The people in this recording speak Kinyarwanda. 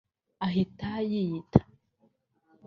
ahita yiyita